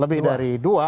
lebih dari dua